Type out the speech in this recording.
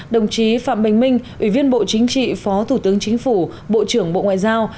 đồng chí phạm bình minh ủy viên bộ chính trị phó thủ tướng chính phủ bộ trưởng bộ ngoại giao